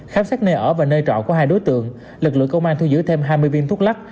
khám xét nơi ở và nơi trọ của hai đối tượng lực lượng công an thu giữ thêm hai mươi viên thuốc lắc